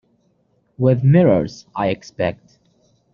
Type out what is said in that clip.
With mirrors, I expect.